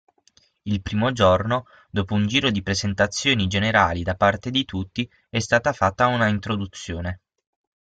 Il primo giorno, dopo un giro di presentazioni generali da parte di tutti, è stata fatta una introduzione.